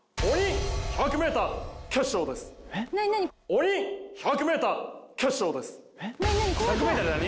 鬼１００ｍ決勝です何何？